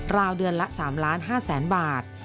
ราวเดือนละ๓๕๐๐๐๐บาท